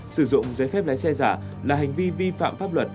sử dụng giấy phép lái xe giả là hành vi vi phạm pháp luật